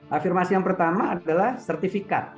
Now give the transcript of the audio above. afirmasi yang pertama adalah sertifikat